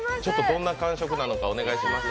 どんな感触なのかお願いします。